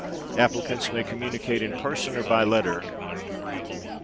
Applicants may communicate in person or by letter.